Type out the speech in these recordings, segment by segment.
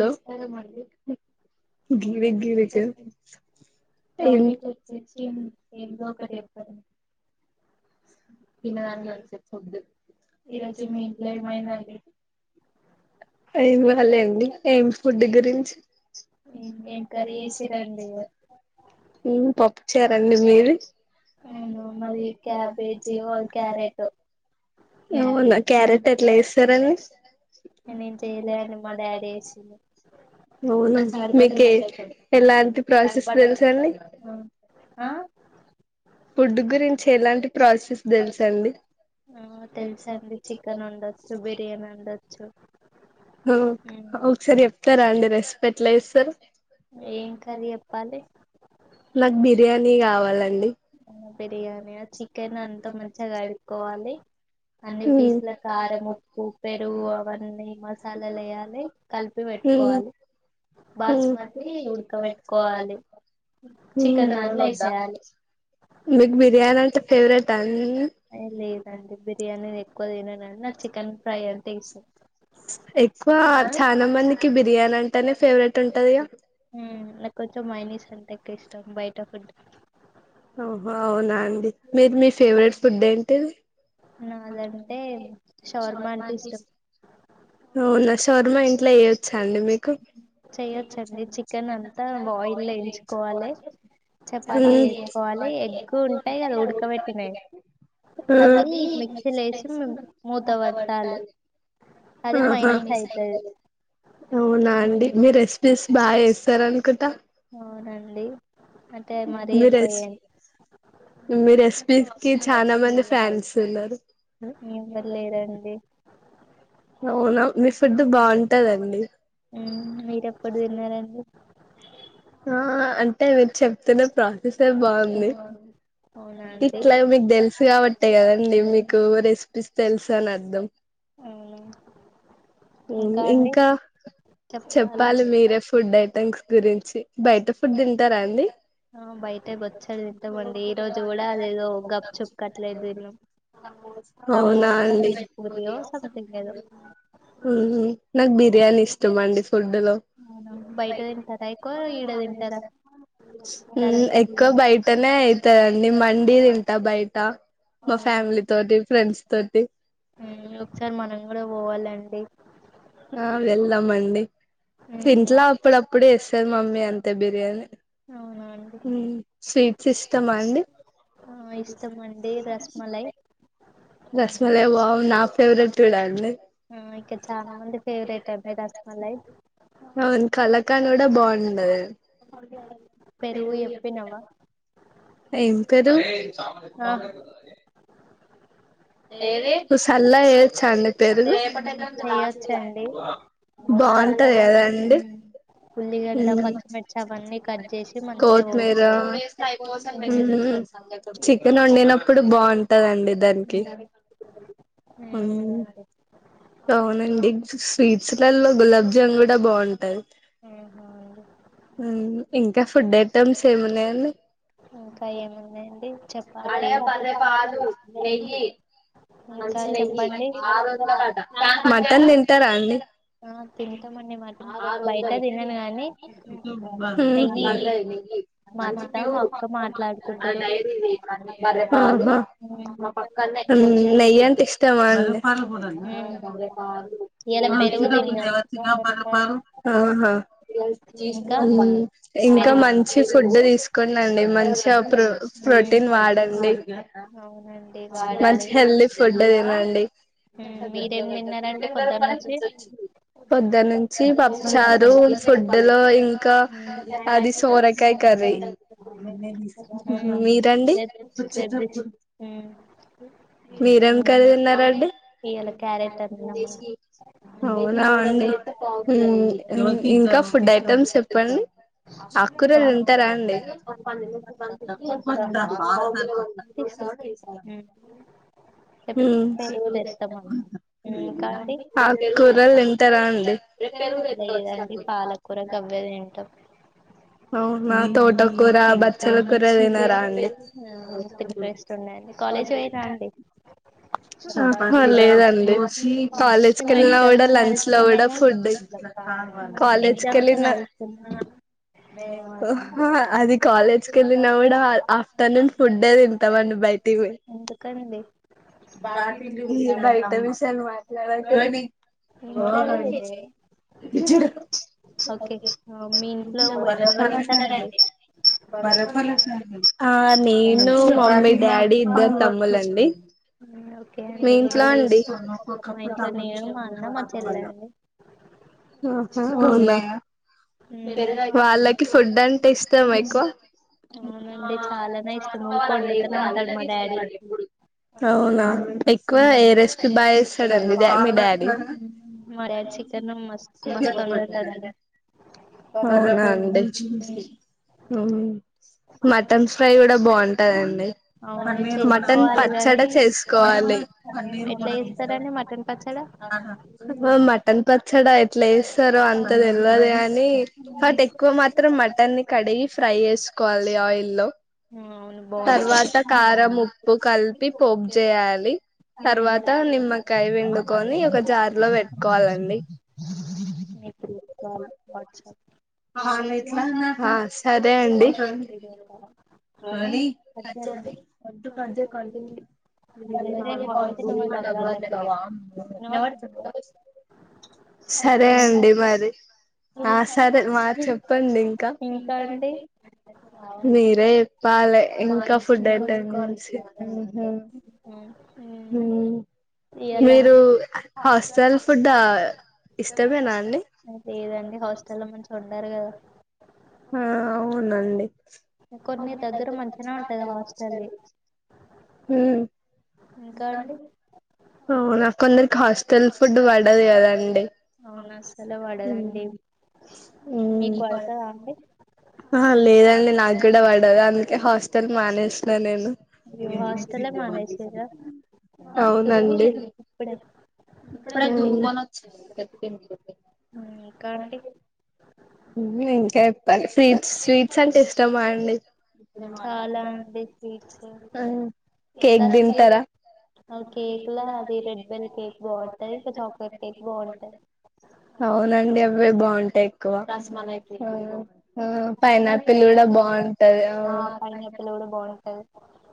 నమస్కారం హలో అండి గివి గివిట్ చెప్పండి ఏం టాపిక్ వచ్చేసి ఏందో ఒకటి చెప్పండి ఈరోజు మీ ఇంట్లో ఏమైందండి గాలే అండి. ఏం ఫుడ్ గురించి [inaudible] హు ఏం కర్రీ చేసిరండి ఈ రోజు పప్పుచారు అండి మీది అవునా మాది క్యాబేజీ ఆర్ అల్ క్యారెట్ అవునా క్యరెట్ ఎట్ల చే సరే నా నేను చేయలే అంది మా డాడీ చేసిండు అవును నీకు ఏది ఎలాంటి ప్రాసెస్ తెలుసు అండి ఆ ఆహా ఫుడ్ గురించి ఎలాంటి ప్రాసెస్ తెలుసండి తెలుసండి చికెన్ ఉండొచ్చు బిర్యానీ ఉండొచ్చు ఓ ఒకసారి చెప్ప రా అండి రెస్పెక్ట్ లెస్ ఏం కర్రీ చెప్పాలి నాకు బిర్యానీ కావాలి అండి బిర్యానీ చికెన్ అంతా మంచిగా కడుక్కోవాలి అన్ని పీసుల కారం ఉప్పు పెరుగు అవన్నీ మసాలాలు వేయాలి కలిపి పెట్టుకోవాలి బాస్మతి ఉడకబెట్టుకోవాలి చికెన్ దాంట్లో వసేయాలి మీకు బిర్యానీ అంటే ఫేవరెట్ అ హు [inaudible] ఏ, లేదండి బిర్యానీ ఎక్కువ తిననండి నాకు చికెన్ ఫ్రై అంటే ఇష్టం ఇష్టం ఎక్కువ చాలామందికి బిర్యానీ అం [inaudible] ఫేవరెట్ ఉంటుంది గా హు నాకు కొంచెం మైనిస్ అంటే ఎ నాకు ఇష్టం బయట ఫుడ్ హో అవునా అండి మీరు మీ ఫేవరెట్ ఫుడ్ ఏంటి నాదంటే షవర్మా శవర్మ అంటే ఇష్టం ఇష్టం అవును శవర్మా ఇంకా ఇంట్లో చేయొచ్చు అండి మీకు చేయొచ్చండి చికెన్ అంతా బయిల్ వేంచుకోవాలికోవాలి హు చపాతి [inaudible] వేసుకోవాలి కోవాలి ఎగ్ ఉంటాయి కదా ఉంటాయికదా ఉడకబెట్టినాయి ఉడకబెట్టినావి ఆహా మిక్సీలో వేసి మూత పెట్టాలి అది మైనస్ ఆహా అయితది అవునా ఆహా అండి మీ రైస్ స్ బాగా చేస్తారు అనుకుంటా అవునండి అంటే మరీ మీ ఎక్కువ రెస్ మీ రెసిపీ కి చాలా మంది ఫ్యాన్స్ ఉన్నారు ఇవ్వర్లేరండి అవునా మీ ఫుడ్ బాగుంటదండి మీరెప్పుడు తిన్నారండి ఆ అంటే మీరు చెప్తున్న ప్రాసెసే బాగుంది అవునా అండి ఇట్లా మీకు తెలుసు కాబట్టే కదండి మీకు రెస్ పి తెలుసాను అర్థం అవునా ఇంకా చెప్పాలి మీరే ఫుడ్ అ జంక్ గురించి బయట ఫుడ్ తింటారా అండి ఆ బయట వచ్చదు ఇంతమండి ఈ రోజు కూడా అదేదో గప్పు చుప్పుట్లేదు దన్న అవునా సమోసా అండి పెలిపూరియో సథంగ్ లేదో ఉ నాగ్ బిర్యానీ ఇష్టమండి అవునా బయట తింటారా ఎక్కువ ఈడ తింటారా దల్ ఫుడ్డులోఎక్కువ పూరియా బయట అవుతారండి మ ఉడీంటా బయట మా అవునా ఫ్యామిలీ తోటి ఫ్రెండ్స్ తోటి ఒకసారి మనం కూడా పోవాలండి ఆ వెళ్దామండి ఇంట్లో అప్పుడప్పుడే వస్తా మమ్మీ అంతే బిర్యానీ అవునా అండి స్వీట్స్ ఇష్టమా అండి ఆ ఇష్టమండి రస్మలై రస్మలై వావ్ నా ఫేవరెట్ కూడా అండి ఇక చాలా మంది ఫేవరెట్ అ మీ రస్మలై అవును కలాకాండ్ కూడా బాగుండది పెరుగు చెప్పినవా ఏం పెరుగు ఆ సల్ల వేయొచ్చా అండి పేరుగు చేయొచ్చండి బాగుంటది చల్లలా కదాండి ఉమ్ ఉల్లిగడ్డ పచ్చిమిర్చి అవన్నీ కట్ చేసి మంచిగా కోతిమీర పోసుకోవాలి ఉమ్ చికెన్ వండినప్పుడు బాగుంటదండి కి ఉమ్ అవునండి అవునండి స్వీట్స్లలో గులాబ్జాము కూడా బాగుంటాయి ఆహా అండి ఇంకా ఫుడ్డే మొత్తం సేమియా ఉన్నాయా ఇంకా ఏమున్నాయండి అల్లా చపాతి అదే బర్రె పాలు, నెయ్యి. ఇకా చెప్పండి మటన్ తింటారా అండి తింటామండి మాటన్ బయట తిన్నాను గానీ నెయ్యి, ఆహా మా అత్త మీకు మా అక్క మాట్లాడుకుంటారు నెయ్యి అంటే ఇష్టమా, అం ఆహా ఉమ్ ఇయాల పెరుగు తిన్నాం ఇంకా ఇంకా పెరుగు మంచి ఫుడ్ తీసుకోండి మంచి ప్రో ఉమ్ ప్రోటీన్ వాడండి. అవునండి మంచి వాడాలి హెల్ది ఫుడ్ తినండి, ఉమ్ మీరేం తిన్నారండి పొద్దు నుంచి పొద్దనుంచి పప్పుచారు ఫుడ్డులో ఇంకా ఉమ్ అది సోరకాయ కర్రీ ఉమ్ మీరండి, రేపు రేపు తీస్ ఉమ్ మీరు ఎం ఉమ్ కర్రీ వండారు డి ఇయాల క్యారెట్ అన్నామండి అవునా అండీ ఇంకా ఫుడ్ ఐటమ్స్ చెప్పండి ఆకుకూరలు తింటారా అండి, తీసుకు [unintelligible] పెరుగు తెస్తామండీ ఇంకాండి, ఆకుకూరలు తింటారా అండి లేదండి పాలకూర గవ్వె తింటాం, అవునా అని తోట కూ బచ్చల కూర తినారా అండి, అంత ఇంట్రెస్ట్ ఉండయండి కాలేజ్ పోయిరా అండి ఆహా లేదండి, కాలేజ్కి ఏమో వెళ్ళినా కూడా ఎగ్జామ్స్ లంచ్ లో కూడా నడుస్తున్నాయిగా ఫుడ్ కాలేజ్కి ఎగ్జామ్స్ వెళ్ళిన, నడుస్తున్నాయి హాహా అది కాలేజ్ కి వెళ్ళిన కూడా ఆఫ్టర్నూన్ ఫుడ్డె తింటాం, బయటికి పోయి ఎందుకండి బయట విషయాలు మాట్లాడకండి, ఇంట్లోనే ఇదే ఓకే మీ ఇంట్లో ఎవరెవరు ఉంటారండి [unintelligible] నేను మమ్మీ డాడీ ఇద్దరు తమ్ములండి ఓకే మీ అండి ఇంకా ఇంట్లో అండి మా ఇంట్లో నేను మా అన్న మా చెల్లె అండి అవునా, వాళ్ళకి ఫుడ్ అంటే ఇ ఎక్కువ అవునండి చాలానే ఇష్టం ఊకె వండుతూనే ఉంటాడు మా డాడీ అవునా ఎక్కువ ఏ రెస్పి బాగా చే స్తాడండి మీ డాడీ, మా డాడ్ చికెన్ మస్త్ మస్తు వండుతాడండి అవునండి, మటన్ ఫ్రై కూడా బాగుంటందండి అవును మటన్ చేసుకోవాలి గాని పచ్చడి చేసుకోవాలి, ఎట్లా చేస్తారండి మటన్ పచ్చడా మటన్ పచ్చడా ఎట్లా వేస్తారో అంత తెలియదు కానీ వాట్ ఎక్కువ మాత్రం మటన్, కడిగి ఫ్రై చేసుకోవాలి ఆయిల్ లో ఆ అవును బాగుంటది తర్వాత కారం ఉప్పు కలిపి పోపు చేయాలి తర్వాత నిమ్మకాయ పిండు ని ఒక జార్ లో పెట్టుకోవాలండి, ఇప్పుడు కాల్ [unintelligible] ఆమె ఎట్లాన్నా ఆ సరే అండి వీడియో కాల్ అయితే వాయిస్ వినపడదు వాళ్ళకి వినపడుతుందా సరే చెప్పండి అండి మరి ఆ సర్ మా చెప్పండి ఇంకా మీరు దేపాలే ఇంకా ఫుడ్ అయిపోంది మంచి ఉహు ఉం ఇయ్యాల మీరు హాస్టల్ ఫుడ్ ఆ ఇష్టమేనా అండి అంటారుకదా ఆ అవునండి కొన్ని దగ్గర మంచినే ఉంటది హాస్టల్ది ఉమ్ ఇంకా అండి అవును కొందరికి కాస్ తల్ ఫుడ్ పడ్డది కదాండి. అవును అస్సలే పడదండి ఉమ్ మీకు పడతదా అండి అహ లేదండి నాకు కూడా పడదు అందుకే హాస్టల్ మానేసిన్నా నేను మీరు హాస్టలే మానేసిర్రా అవునండి దువ్వింది ఇప్పుడే ఊ కత్తిన్ కెఫె ఇంకా అండి హుమె ఇంకా ఏట్ తెలస్ స్వీట్స్ స్వీట్స్ అంటే ఇష్టమా అండి [inaudible] ఉ చాలా అండి స్వీట్స్ కేక్ రసగుల్ల దింటారా కేక్ లా అది రెడ్ బెల్ కేక్ బాగుంటది ఇంకా చాక్లెట్ కేక్ బాగుంటది అవునండి అవే బాగుంటయ్ ఎక్కువ ఉమ్, తస్మాలై ఆ రసమలై పైనాపిల్ కేక్ కూడా బాగుంటది ఆ పైనాపిల్ కూడా బాగుంటది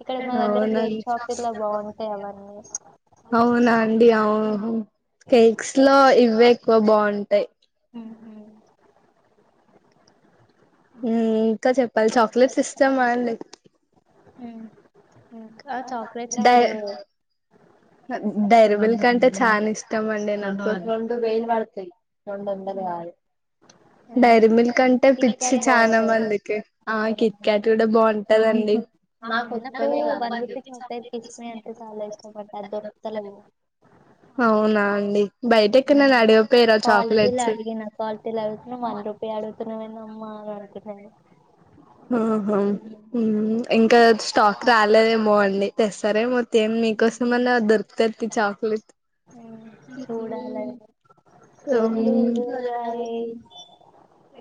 ఇక్కడ మా దగ్గర అవునండి కేక్ షాప్ ఇట్ల బాగుంటాయి అవన్నీ ఉన్న అండి అవు కేక్స్ లో ఇవే ఎక్కువ బాగుంటయ్ ఉమ్, ఉ ఇమ్ ఇంకా చెప్పాలి చాక్లెట్స్ ఇష్టమా అండి ఊ డై డైరీ మిల్క్ కంటే చానా ఇష్టం ఇష్టం అండి నాకు ఉమ్, ఉమ్. డైరీ మిల్క్ అంటే పిచ్చి కిట్కాట్ చనా బాగుంటది మందికి ఆ కిట్కట్ కూడా బాగుంటదండి నాకు వన్ రూపీ అదోర్కుతలేవు అవునా అండి బయట ఎక్కడనైనా అడగపోయారా క్వాలిటీల చాక్లెట్స్ అడిగినా క్వాలిటీల అడుగుతేనె వన్ రూపీ అడుగుతున్నామేందమ్మా అని అంటున్నారు ఆహ ఇంకా స్టాక్ రాలేదేమో అండి తెస్తారేమొ మీకోసం అన్న దొరూకు తది చాక్లేట్ చూడాలండి అ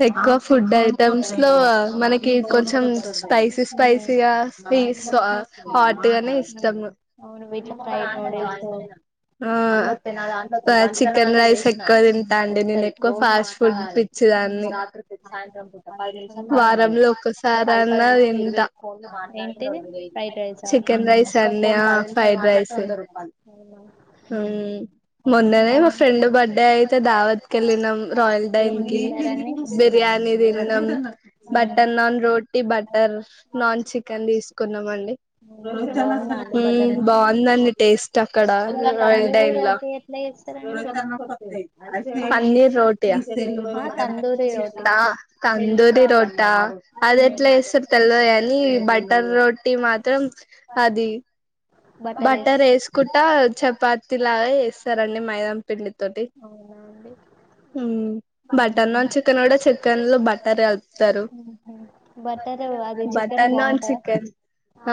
ఎక్కువ ఫుడ్ ఐటమ్స్ లో మనకి కొంచెం స్పైసీ స్పైసీగా హాట్గానే ఇష్టాము అవును వీటిలో ఫ్రైడ్ నూడిల్స్ ఆ చికెన్ రైస్ ఎక్కువ తింటా అండి నేను ఎక్కువ ఫాస్ట్ ఫుడ్ పిచ్చిదాన్ని ఇంకా అండి వారంలో ఒక్కసారి అన్న తింటా ఏంటిది ఫ్రైడ్ రైసా చికెన్ రైస్ అన్న ఆ ఫ్రైడ్ రైస్ అవునా హ్ మొన్ననే మా ఫ్రెండ్ బర్డే దేవత్కెల్లినం రాయల్ ఏం డైన్ కి తిన్నారండి బిర్యానీ దిన్నం బటర్ నాన్ రోట్ నాన్ చికెన్ తీసుకున్నామండి ఉమ్ బాగుందా అండి బటర్ హ్మ్మ్ నాన్ బావుందండి టేస్ట్ అక్కడ ఈ రాయల్ టై తందూరి లా రోటీ ఎట్లా చేస్తారండి పన్నీర్ రోటీ ఆ తందూరి రోటీ చిట్టా తందూరి రోట అది ఉమ్. ఎట్లా ల్లో అని బటర్ రోటీ మాత్రం అది బటర్ వేసి బట్టర్ వేసుకుంటా చపాతి లాగా చిస్తారండి మైదాం పిండి తోటి అవునా అండి బటర్ నాన్స్ చ చికెన్ లో బట్టర్ కలుపుతారు ఉహు. బటర్ అది చికెన్ బట్టర్ నాన్ బాగుంటదా చికెన్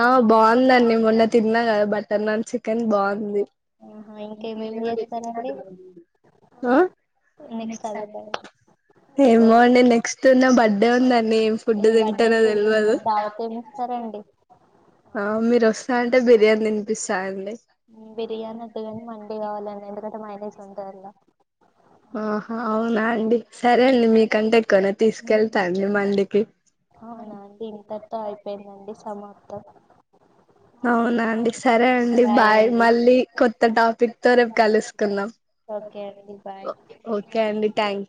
ఆ బాగుందండి మొన్న తిన్నా కదా బటర్ నాన్ చికెన్ బావుంది ఆహా ఇంకేమేమి చేస్తారండి ఆ నెక్స్ట్ అదే టైం? ఏమో ఓకే అండి నెక్స్ట్ నా బర్త్డే ఉందండి ఏం ఫుడ్ ఈ బర్త్డే తింటానో కి తెల్వదు దావత్ ఏమి ఇస్తారండి ఆ మీరు వస్తా అంటే బిర్యానీ తినిపిస్తాండి బిర్యానీ వద్దుగాని మండి కావాలాండీ మైనీస్ ఉంటార్లో ఆహా అవునా అండి సరే అండి మీ కంటె ఎక్కొన తీసుకెళ్తా అండి మండి కి అవునా అండి ఇంతటితో అయిపోయిందండి సమాప్తం అవునా అండి సరే అండి బాయ్ మళ్ళీ కొత్త టాపిక్ తో రేపు కలుసుకుందాం. ఓకే అండి బాయ్ ఓకే అండి థ్యాంక్